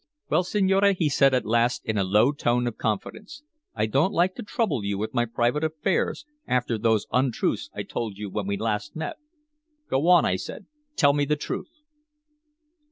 "Well, signore," he said at last in a low tone of confidence, "I don't like to trouble you with my private affairs after those untruths I told you when we last met." "Go on," I said. "Tell me the truth."